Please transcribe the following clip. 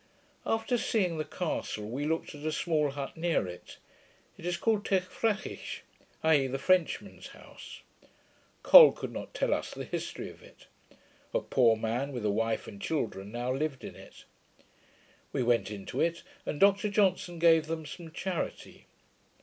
After seeing the castle, we looked at a small hut near it. It is called Teigh Franchich, i.e. the Frenchman's House. Col could not tell us the history of it. A poor man with a wife and children now lived in it. We went into it, and Dr Johnson gave them some charity.